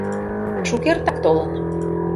— Шукертак толын.